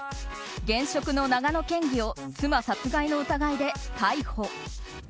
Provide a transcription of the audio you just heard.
現職の長野県議を妻殺害の疑いで逮捕。